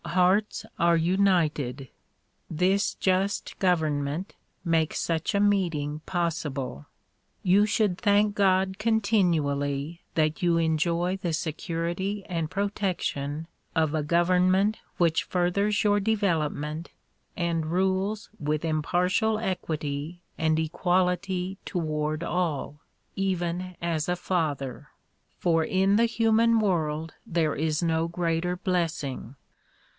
Hearts are united. This just government makes such a meeting possible. You should thank God continually that you enjoy the security and protection of a gov ernment which furthers your development and rules with impar tial equity and equality toward all, even as a father ; for in the human world there is no greater blessing.